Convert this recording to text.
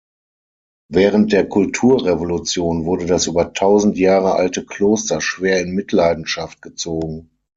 Während der Kulturrevolution wurde das über tausend Jahre alte Kloster schwer in Mitleidenschaft gezogen.